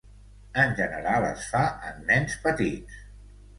En general es fa en nens petits.